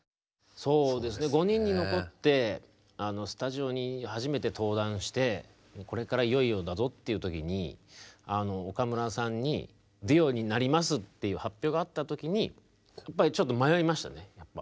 そうですね５人に残ってスタジオに初めて登壇してこれからいよいよだぞっていう時に岡村さんに「デュオになります」っていう発表があった時にやっぱりちょっと迷いましたね。